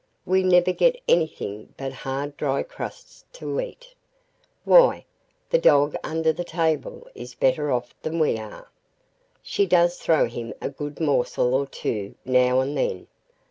We never get anything but hard dry crusts to eat—why, the dog under the table is better off than we are. She does throw him a good morsel or two now and then.